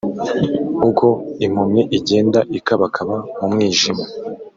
uko impumyi igenda ikabakaba mu mwijima,